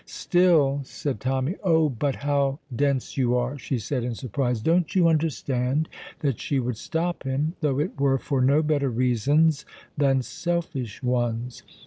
"Still " said Tommy. "Oh, but how dense you are!" she said, in surprise. "Don't you understand that she would stop him, though it were for no better reasons than selfish ones?